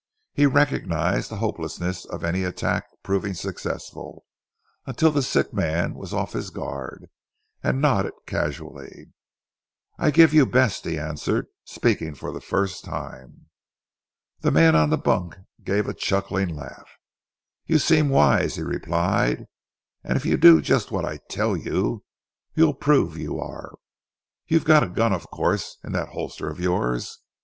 He recognized the hopelessness of any attack proving successful, until the sick man was off his guard, and nodded casually. "I give you best," he answered, speaking for the first time. The man on the bunk gave a chuckling laugh. "You seem wise," he replied, "and if you do just what I tell you you'll prove you are. You've got a gun, of course, in that holster of yours?